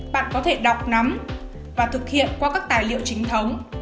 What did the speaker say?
bạn có thể đọc nắm và thực hiện qua các tài liệu chính thống